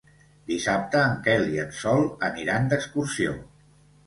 Dissabte en Quel i en Sol aniran d'excursió.